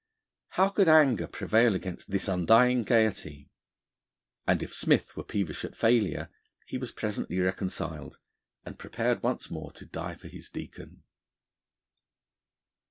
How could anger prevail against this undying gaiety? And if Smith were peevish at failure, he was presently reconciled, and prepared once more to die for his Deacon.